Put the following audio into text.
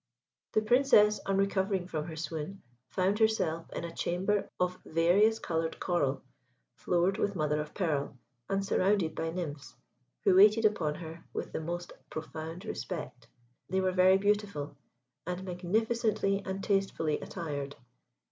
The Princess, on recovering from her swoon, found herself in a chamber of various coloured coral, floored with mother of pearl, and surrounded by nymphs, who waited upon her with the most profound respect. They were very beautiful, and magnificently and tastefully attired.